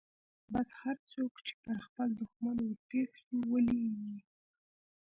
بس هرڅوک چې پر خپل دښمن ورپېښ سو ولي يې.